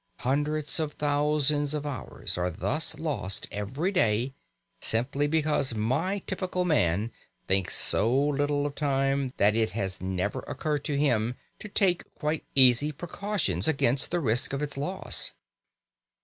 Hundreds of thousands of hours are thus lost every day simply because my typical man thinks so little of time that it has never occurred to him to take quite easy precautions against the risk of its loss.